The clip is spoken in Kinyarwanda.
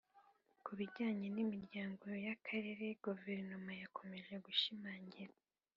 Ku bijyanye n Imiryango y Akarere Guverinoma yakomeje gushimangira